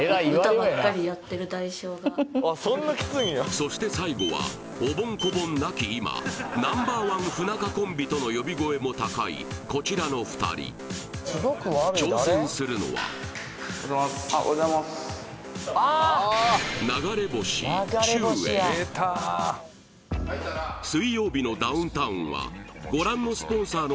そして最後はおぼん・こぼんなき今ナンバーワン不仲コンビとの呼び声も高いこちらの２人挑戦するのはおはようございますおはようございます